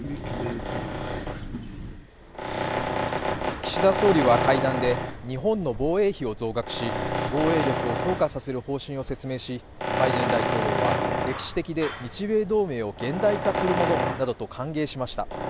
岸田総理は会談で日本の防衛費を増額し防衛力を強化させる方針を説明し、バイデン大統領は歴史的で日米同盟を現代化するものなどと歓迎しました。